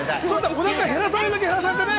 おなか減らされるだけ減らされてね。